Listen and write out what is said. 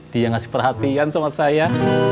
dia ngasih perhatian sama saya